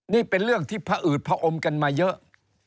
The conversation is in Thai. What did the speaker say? นี่เป็นเรื่องที่ผอืดผอมกันมาเยอะ